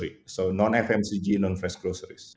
jadi tidak ada fmcg dan perusahaan segar